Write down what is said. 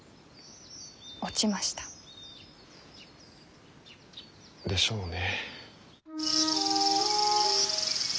落ちました。でしょうね。